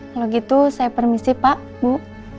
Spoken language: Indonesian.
kalau gitu saya permisi pak bu